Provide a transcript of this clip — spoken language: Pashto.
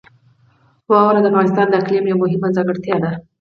واوره د افغانستان د اقلیم یوه مهمه ځانګړتیا ده.